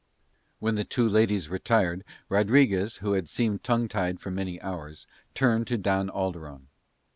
When the two ladies retired Rodriguez, who had seemed tongue tied for many hours, turned to Don Alderon.